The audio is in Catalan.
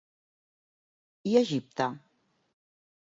I Egipte?